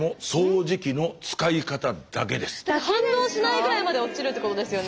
反応しないぐらいまで落ちるってことですよね。